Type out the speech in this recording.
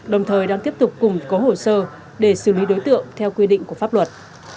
đồng thời đang tiếp tục củng cố hồ sơ để xử lý đối tượng theo quy định của pháp luật